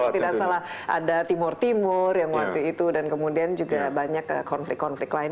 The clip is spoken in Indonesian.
kalau tidak salah ada timur timur yang waktu itu dan kemudian juga banyak konflik konflik lain